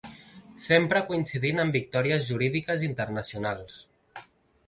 Sempre coincidint amb victòries jurídiques internacionals.